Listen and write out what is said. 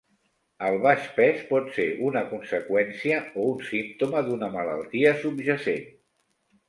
El baix pes pot ser una conseqüència o un símptoma d'una malaltia subjacent.